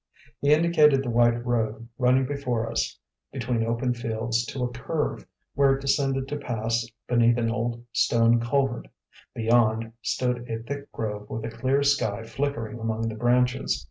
He indicated the white road running before us between open fields to a curve, where it descended to pass beneath an old stone culvert. Beyond, stood a thick grove with a clear sky flickering among the branches.